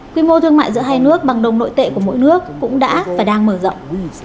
quy mô thương mại giữa hai nước bằng đồng nội tệ của mỗi nước cũng đã và đang mở rộng